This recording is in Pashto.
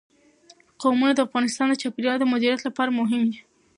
قومونه د افغانستان د چاپیریال د مدیریت لپاره مهم دي.